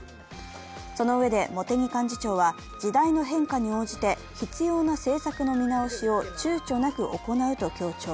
そのうえで茂木幹事長は、時代の変化に応じて必要な政策の見直しをちゅうちょなく行うと強調。